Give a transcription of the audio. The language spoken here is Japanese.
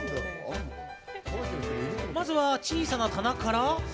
まずは小さな棚から。